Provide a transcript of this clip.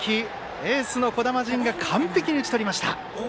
エースの児玉迅が完璧に打ち取りました。